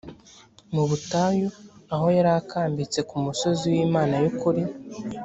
mu butayu aho yari akambitse ku musozi w imana y ukuri